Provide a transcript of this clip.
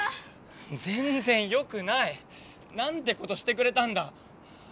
ぜんぜんよくない！なんてことしてくれたんだ！